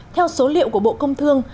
theo số liệu của bộ công thương